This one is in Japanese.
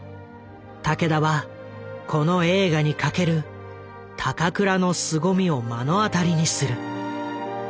武田はこの映画に懸ける高倉のすごみを目の当たりにする。